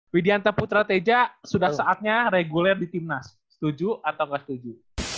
widianta putra teja sudah saatnya reguler di timnas setuju atau nggak setuju